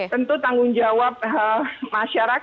tentu tanggung jawab masyarakat